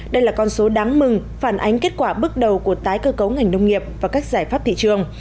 đây là con số đáng mừng phản ánh kết quả bước đầu của tái cơ cấu ngành nông nghiệp và các giải pháp thị trường